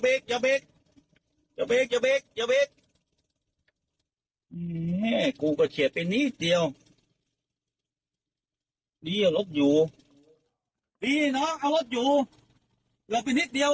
บีกอย่าบีกกูก็เขียนไปนิดเดียวรถอยู่ดีเนอะเอารถอยู่หลบไปนิดเดียว